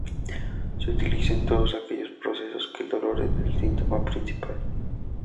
Se utiliza en todos aquellos procesos en que el dolor es el síntoma principal.